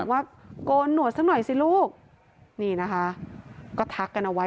ว่าโกนหนวดสักหน่อยสิลูกนี่นะคะก็ทักกันเอาไว้